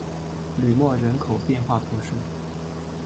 吕莫人口变化图示